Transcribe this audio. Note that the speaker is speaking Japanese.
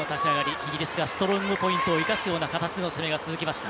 イギリスがストロングポイントを生かすような形の攻めが続きました。